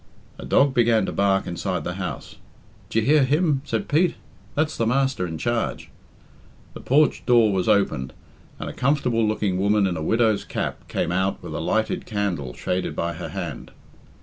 A dog began to bark inside the house. "D'ye hear him?" said Pete. "That's the master in charge." The porch door was opened, and a comfortable looking woman in a widow's cap came out with a lighted candle shaded by her hand.